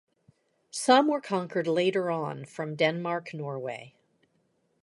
Some were conquered later on from Denmark-Norway.